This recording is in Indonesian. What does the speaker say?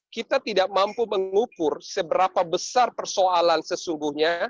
kita tidak mampu mengukur seberapa besar persoalan sesungguhnya